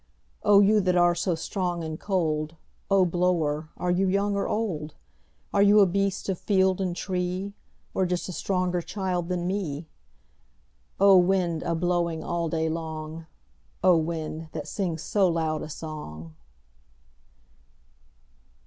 O you that are so strong and cold, O blower, are you young or old? Are you a beast of field and tree, Or just a stronger child than me? O wind, a blowing all day long, O wind, that sings so loud a song!